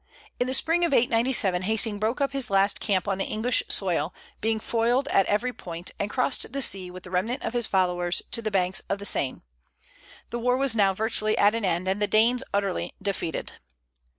"In the spring of 897 Hasting broke up his last camp on the English soil, being foiled at every point, and crossed the sea with the remnant of his followers to the banks of the Seine." The war was now virtually at an end, and the Danes utterly defeated.